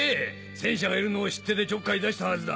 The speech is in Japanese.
戦車がいるのを知っててちょっかい出したはずだ。